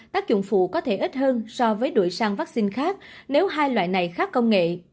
tác dụng phụ có thể ít hơn so với đuổi sang vaccine khác nếu hai loại này khác công nghệ